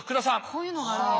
こういうのがあるんや。